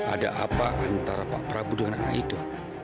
ada apa antara pak prabu dan anak itu